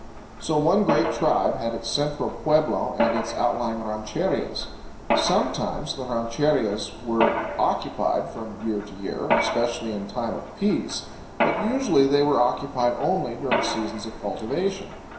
So one great tribe had its central pueblo and its outlying rancherías. Sometimes the rancherías were occupied from year to year, especially in time of peace, but usually they were occupied only during seasons of cultivation.